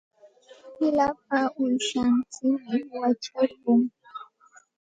Lapa uushantsikmi wacharqun.